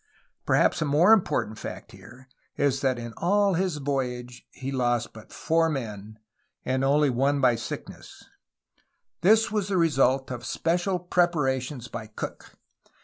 Perhaps a more important fact here is that in all his voyage he lost but four men, and only one by 264 A HISTORY OF CALIFORNIA sickness. This was the result 6f special preparations by Cook.